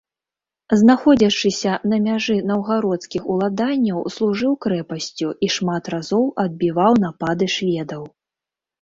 Знаходзячыся на мяжы наўгародскіх уладанняў, служыў крэпасцю і шмат разоў адбіваў напады шведаў.